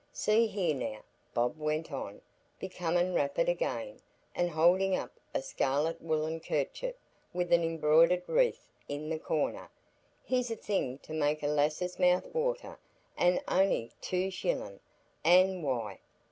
See here now," Bob went on, becoming rapid again, and holding up a scarlet woollen Kerchief with an embroidered wreath in the corner; "here's a thing to make a lass's mouth water, an' on'y two shillin'—an' why?